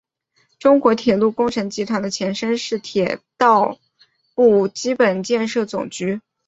中国铁路工程集团的前身是铁道部基本建设总局。